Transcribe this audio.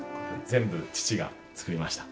全部父が作りました。